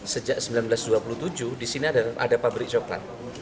sejak seribu sembilan ratus dua puluh tujuh di sini ada pabrik coklat